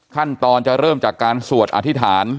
ขั้นตอนจะเริ่มจากการสวดอธิษฐาน